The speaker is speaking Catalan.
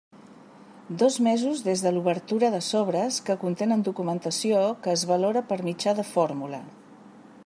Dos mesos des de l'obertura de sobres que contenen documentació que es valora per mitjà de fórmula.